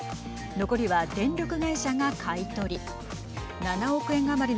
残りは電力会社が買い取り。